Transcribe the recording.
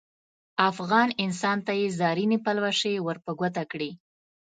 افغان انسان ته یې زرینې پلوشې ور په ګوته کړې.